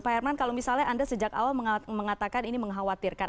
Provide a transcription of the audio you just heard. pak herman kalau misalnya anda sejak awal mengatakan ini mengkhawatirkan